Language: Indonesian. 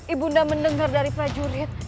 ibu nanda mendengar dari fajurit